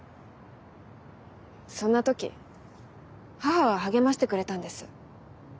そんな時母は励ましてくれたんです。